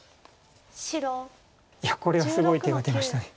いやこれはすごい手が出ました。